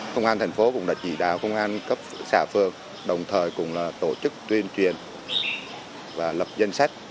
công an thành phố cũng đã chỉ đạo công an cấp xã phường đồng thời cũng là tổ chức tuyên truyền và lập danh sách